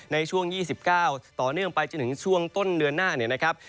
ในช่วง๒๙ต่อเนื่องไปจนถึงช่วงต้นเดือนหน้าเนี่ยนะครับ